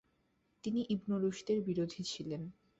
তিনি ইবন রুশদের বিরোধী ছিলেন।